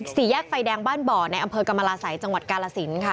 สี่แยกไฟแดงบ้านบ่อในอำเภอกรรมราศัยจังหวัดกาลสินค่ะ